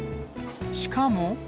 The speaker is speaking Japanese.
しかも。